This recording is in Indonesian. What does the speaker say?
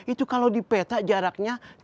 itu kalau dipetak jaraknya tiga km